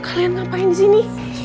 kalian ngapain disini